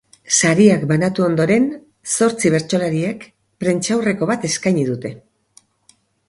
Sariak banatu ondoren, zortzi bertsolariek prentsaurreko bat eskaini dute.